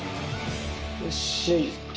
よし！